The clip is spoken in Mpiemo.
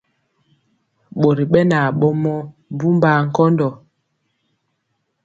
Ɓori ɓɛ na ɓomɔ mbumbaa kɔndɔ.